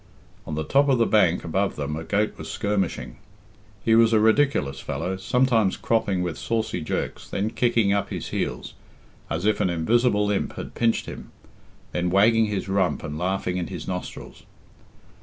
On the top of the bank above them a goat was skirmishing. He was a ridiculous fellow; sometimes cropping with saucy jerks, then kicking up his heels, as if an invisible imp had pinched him, then wagging his rump and laughing in his nostrils.